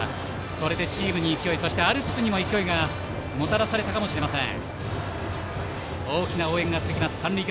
これでチームに勢いそしてアルプスにも勢いがもたらされたかもしれません。